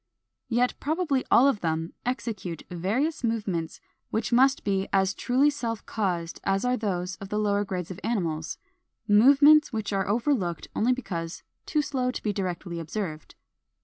Yet probably all of them execute various movements which must be as truly self caused as are those of the lower grades of animals, movements which are overlooked only because too slow to be directly observed.